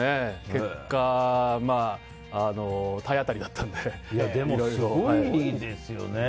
結果、体当たりだったんででもすごいですよね。